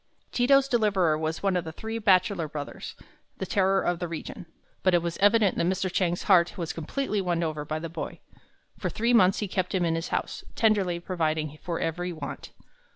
Ti to's deliverer was one of the three bachelor brothers, the terror of the region. But it was evident that Mr. Chang's heart was completely won by the boy. For three months he kept him in his home, tenderly providing for every want.